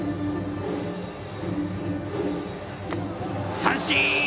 三振。